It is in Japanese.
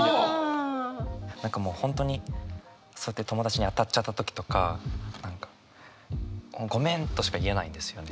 何か本当にそうやって友達に当たっちゃった時とか「ごめん」としか言えないんですよね。